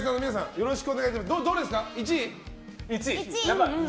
よろしくお願いします。